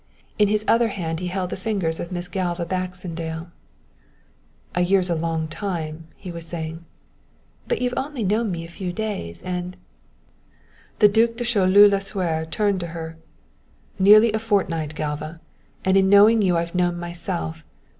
In his other hand he held the fingers of Miss Galva Baxendale. "A year's a long time," he was saying. "But you've only known me a few days, and " The Duc de Choleaux Lasuer turned to her. "Nearly a fortnight, Galva, and in knowing you I have known myself.